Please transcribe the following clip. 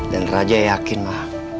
dan raja yakin ma